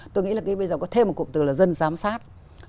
tôi nghĩ là bây giờ có thêm một cụm từ là dân giám sát